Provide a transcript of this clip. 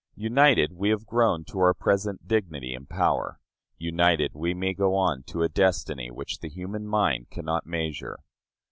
United we have grown to our present dignity and power united we may go on to a destiny which the human mind cannot measure.